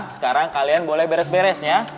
sekarang kalian boleh beres beres ya